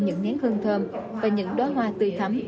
những nhén hương thơm và những đoá hoa tươi thấm